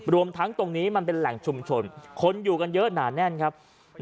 รวมทั้งตรงนี้มันเป็นแหล่งชุมชนคนอยู่กันเยอะหนาแน่นครับ